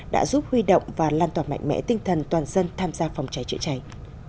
đã giúp huy động và lan tỏa mạnh mẽ tinh thần toàn dân tham gia phòng cháy chữa cháy